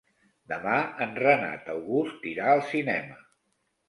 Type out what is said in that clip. Demà en Renat August irà al cinema.